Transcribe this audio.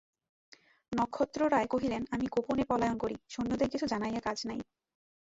নক্ষত্ররায় কহিলেন, আমি গোপনে পলায়ন করি, সৈন্যদের কিছু জানাইয়া কাজ নাই।